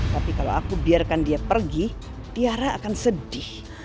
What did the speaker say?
tapi kalau aku biarkan dia pergi tiara akan sedih